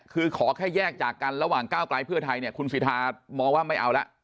คือขอแค่แยกจากกันระหว่างก้าวไกลเพื่อไทยเนี่ยคุณสิทธามองว่าไม่เอาละ